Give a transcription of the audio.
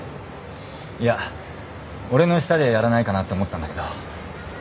いや俺の下でやらないかなって思ったんだけど。